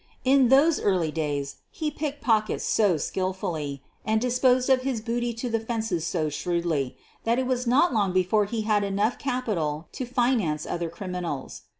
In those early days he picked pockets so skillfully and dis posed of his booty to the "fences" so shrewdly that it was not long before he had enough capital to finance other criminals.